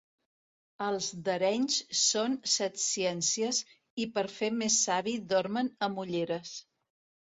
Els d'Arenys són setciències i per fer més savi dormen amb ulleres.